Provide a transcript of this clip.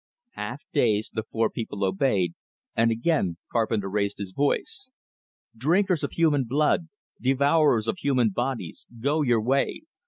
Half dazed, the four people obeyed, and again Carpenter raised his voice. "Drinkers of human blood, devourers of human bodies, go your way!